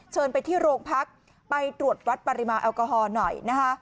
เชิญไปที่โรงพักไปตรวจวัดปริมาณแอลกอฮอล์หน่อยนะคะ